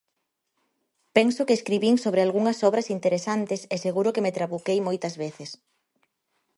Penso que escribín sobre algunhas obras interesantes e seguro que me trabuquei moitas veces.